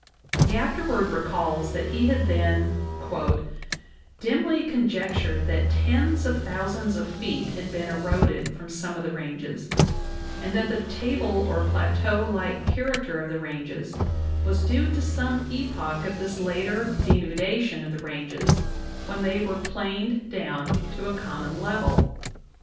He afterward re calls that he had then "dimly conjectured that tens of thou sands of feet had been eroded from some of the ranges, and that the table or plateau like character of the ranges was due to some epoch of this later denudation of the ranges when they were planed down to a common level.